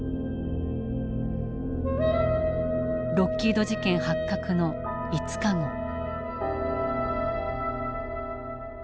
ロッキード事件発覚の５日後。